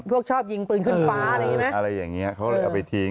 พวกชอบยิงปืนขึ้นฟ้าอะไรอย่างนี้เขาก็เลยเอาไปทิ้ง